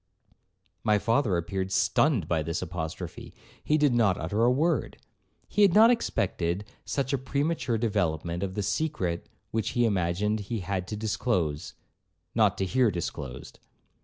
My father appeared stunned by this apostrophe. He did not utter a word. He had not expected such a premature development of the secret which he imagined he had to disclose, not to hear disclosed.